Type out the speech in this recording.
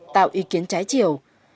tạo ý kiến trái chiều